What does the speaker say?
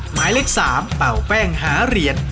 หมายเลข๓เป่าแป้งหาเหรียญ